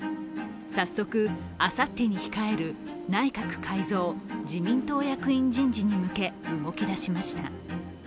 早速、あさってに控える内閣改造・自民党役員人事に向け動き出しました。